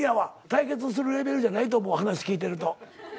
対決するレベルじゃないと思う話聞いてると。